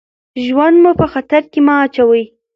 ژوند مو په خطر کې مه اچوئ.